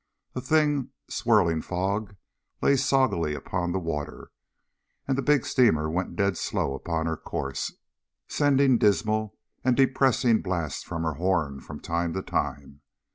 A thin, swirling fog lay soggily upon the water and the big steamer went dead slow upon her course, sending dismal and depressing blasts from her horn from time to time.